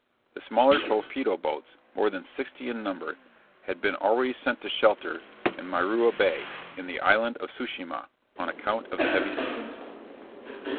The smaller torpedo boats, more than sixty in number, had been already sent to shelter in Miura Bay in the island of Tsu shima, on account of the heavy seas.